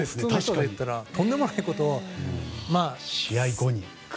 とんでもないことを、試合後に。